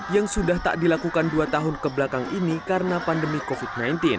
yang sudah tak dilakukan dua tahun kebelakang ini karena pandemi covid sembilan belas